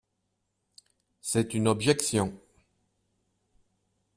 C’est une objection.